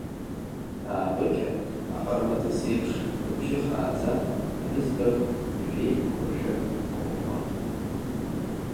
Аабыкьа, аҟармаҵыс еиԥш лыбжьы хааӡа ԥҳәызбак жәеиқәршәак лҳәон…